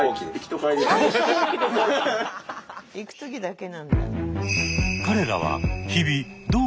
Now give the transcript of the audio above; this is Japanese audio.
行く時だけなんだ。